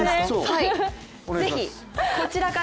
ぜひこちらから。